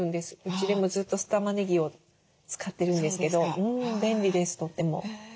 うちでもずっと酢たまねぎを使ってるんですけど便利ですとっても。